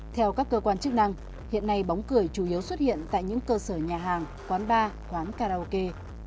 theo các cơ quan chức năng hiện nay bóng cười chủ yếu xuất hiện tại những cơ sở nhà hàng quán bar quán karaoke